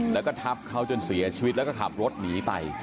แล้วก็ทับเขาจนเสียชีวิตแล้วก็ขับรถหนีไป